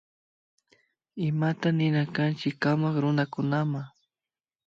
Imata nina kanchi kamak runakunama